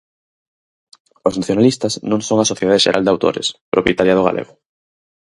Os nacionalistas non son a Sociedade Xeral de Autores, propietaria do galego.